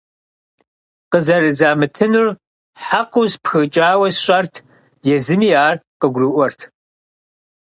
Къызэрызамытынур хьэкъыу спхыкӀауэ сщӀэрт, езыми ар къыгурыӀуэрт.